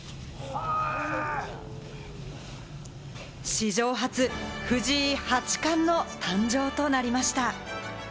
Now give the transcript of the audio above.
史上初、藤井八冠の誕生となりました。